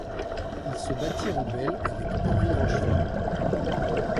Il se battit en duel avec Henri Rochefort.